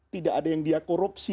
tidak ada yang dia korupsi